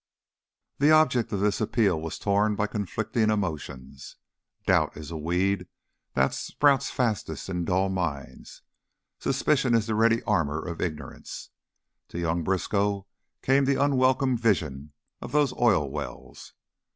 The object of this appeal was torn by conflicting emotions. Doubt is a weed that sprouts fastest in dull minds; suspicion is the ready armor of ignorance; to young Briskow came the unwelcome vision of those oil wells.